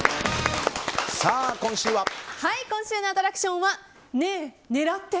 今週のアトラクションはねぇ狙って！